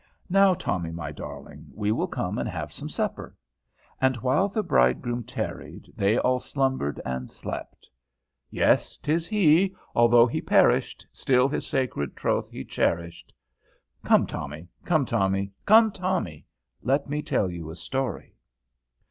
"Now, Tommy, my darling, we will come and have some supper." "And while the bridegroom tarried, they all slumbered and slept." "Yes, 'tis he; although he perished, still his sacred troth he cherished." "Come, Tommy, come Tommy, come, Tommy, let me tell you a story."